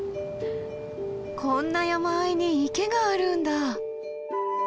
こんな山あいに池があるんだ。